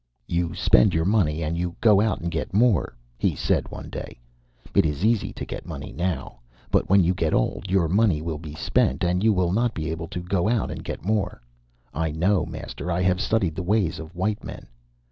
"You spend your money, and you go out and get more," he said one day. "It is easy to get money now. But when you get old, your money will be spent, and you will not be able to go out and get more. I know, master. I have studied the way of white men.